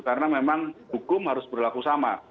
karena memang hukum harus berlaku sama